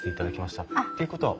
っていうことは奥様？